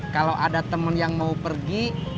kalau ada teman yang mau pergi